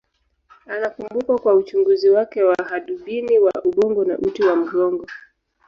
Anakumbukwa kwa uchunguzi wake wa hadubini wa ubongo na uti wa mgongo.